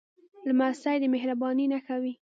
لمسی د مهربانۍ نښه وي.